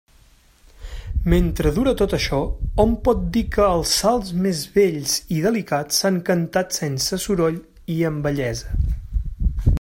Mentre dura tot això, hom pot dir que els salms més bells i delicats s'han cantat sense soroll i amb bellesa.